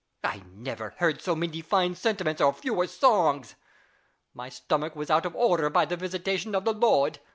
I never heard so many fine sentiments or fewer songs. My stomach was out of order by the visitation of the Lord.